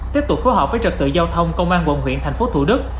tiếp tục phối hợp với trực tự giao thông công an quận huyện tp thủ đức